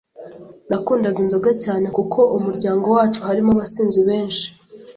nakundaga inzoga cyane kuko umuryango wacu harimo abasinzi benshi,